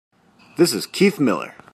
This is Keith Miller.